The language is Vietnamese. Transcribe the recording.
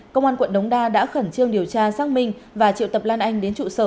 công an quận đống đa đã khẩn trương điều tra xác minh và triệu tập lan anh đến trụ sở